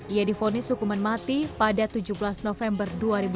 ia difonis hukuman mati pada tujuh belas november dua ribu dua puluh